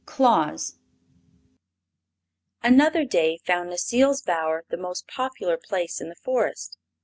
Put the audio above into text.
Claus Another day found Necile's bower the most popular place in the Forest.